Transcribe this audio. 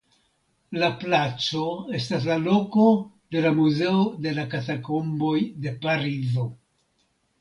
La placo estas la loko de la muzeo de la Katakomboj de Parizo.